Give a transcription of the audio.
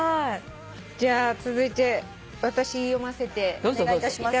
じゃあ続いて私読ませていただきます。